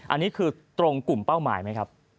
อันนี้คือตรงกลุ่มเป้าหมายไหมครับ